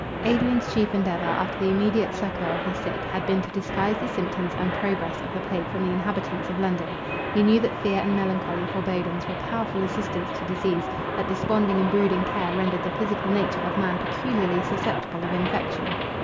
Adrian's chief endeavour, after the immediate succour of the sick, had been to disguise the symptoms and progress of the plague from the inhabitants of London. He knew that fear and melancholy forebodings were powerful assistants to disease; that desponding and brooding care rendered the physical nature of man peculiarly susceptible of infection.